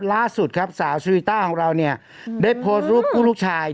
ล่าสุดครับสาวสุริต้าของเราเนี่ยได้โพสต์รูปคู่ลูกชาย